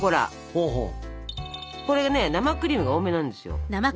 これね生クリームが多めなんですよ。